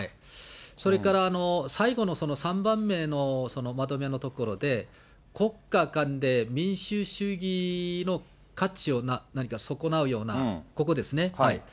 それから最後の３番目のまとめのところで、国家間で民主主義の価値を、何か損なうような、ここですね。